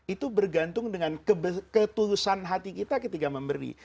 itu bergantung dengan ketulusan hati kita ketika memberi